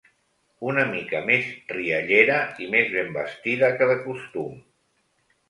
Una mica més riallera i més ben vestida que de costum.